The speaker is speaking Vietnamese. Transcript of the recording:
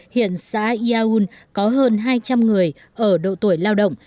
hiện xã iaun có hơn hai trăm linh người ở độ tuổi lao động